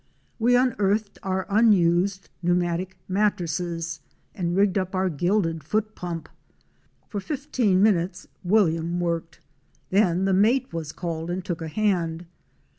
We unearthed our unused pneumatic mattresses and rigged up our gilded foot pump. For fifteen minutes W—— Fic. 4o. Our SLoop AT GUANOCO, worked, then the mate was called and took a hand.